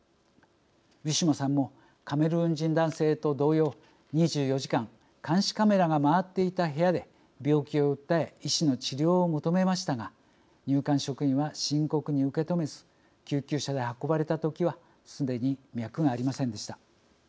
ウィシュマさんもカメルーン人男性と同様２４時間監視カメラが回っていた部屋で病気を訴え医師の治療を求めましたが入管職員は深刻に受け止めず救急車で運ばれた時はすでに脈がありませんでした。